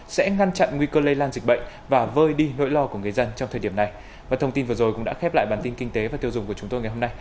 sẽ ngăn chặn nguy cơ lây lan dịch bệnh và vơi đi nỗi lo của người dân trong thời điểm này